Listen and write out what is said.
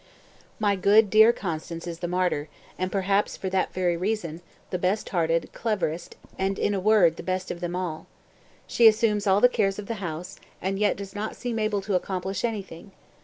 193. "My good, dear Constanze is the martyr, and, perhaps for that very reason, the best hearted, cleverest, and (in a word) the best of them all. She assumes all the cares of the house, and yet does not seem able to accomplish anything.